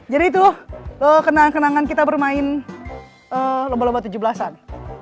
jadi itu lo kenangan kenangan kita bermain lomba lomba tujuh belas an